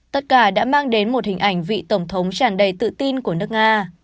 tất cả đã mang đến một hình ảnh vị tổng thống tràn đầy tự tin của nước nga